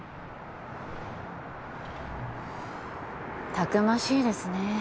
たくましいですね